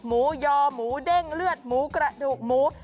หมูยอหมูเด้งเลือดหมูกระดูกหมู